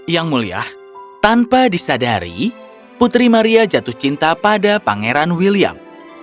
yang mulia tanpa disadari putri maria jatuh cinta pada pangeran william